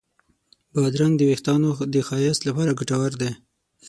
بادرنګ د وېښتانو د ښایست لپاره ګټور دی.